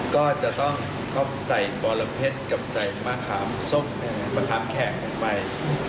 ก็จะต้องใส่บอลัมเพชรกับใส่มะขามส้มแข็งกันไป